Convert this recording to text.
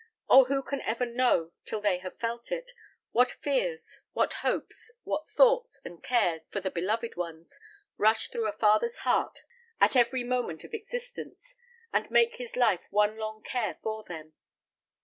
Oh! who can ever know till they have felt it, what fears, what hopes, what thoughts, and cares for the beloved ones, rush through a father's heart and brain at every moment of existence, and make his life one long care for them.